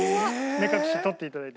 目隠し取っていただいて。